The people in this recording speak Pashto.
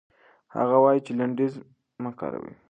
هغه وايي چې لنډيز مه کاروئ.